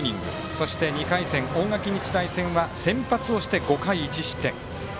そして２回戦大垣日大戦は先発をして５回１失点。